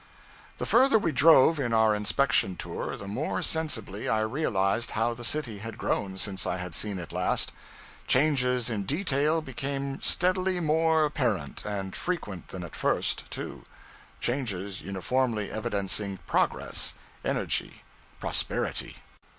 The further we drove in our inspection tour, the more sensibly I realized how the city had grown since I had seen it last; changes in detail became steadily more apparent and frequent than at first, too: changes uniformly evidencing progress, energy, prosperity.